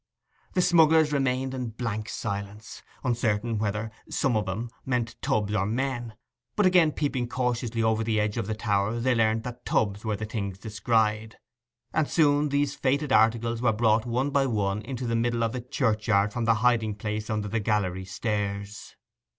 The smugglers remained in a blank silence, uncertain whether 'some of 'em' meant tubs or men; but again peeping cautiously over the edge of the tower they learnt that tubs were the things descried; and soon these fated articles were brought one by one into the middle of the churchyard from their hiding place under the gallery stairs.